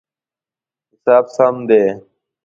حساب سم دی